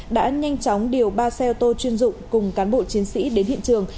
đã nhanh chóng điều ba xe ô tô chuyên dụng cùng cán bộ chiến sĩ đến hiện trường